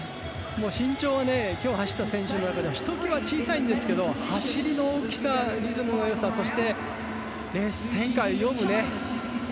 身長は今日、走った選手の中ではひときわ小さいんですけど走りの大きさ、リズムの良さそしてレースを読む展開